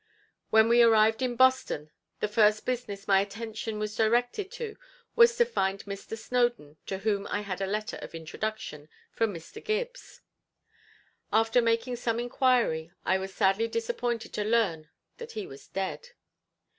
When we arrived at Boston the first business my attention was directed to was to find Mr. Snowdon to whom I had a letter of introduction from Mr. Gibbs. After making some inquiry I was sadly disappointed to learn that he was dead.